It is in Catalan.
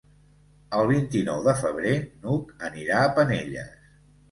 El vint-i-nou de febrer n'Hug anirà a Penelles.